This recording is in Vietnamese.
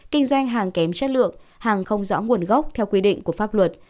kinh doanh hàng kém chất lượng hàng không rõ nguồn gốc theo quy định của pháp luật